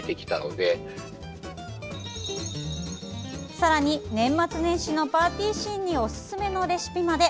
さらに、年末年始のパーティーシーンにおすすめのレシピまで。